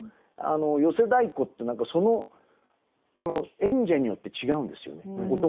寄席太鼓ってその演者によって違うんですよね音がね。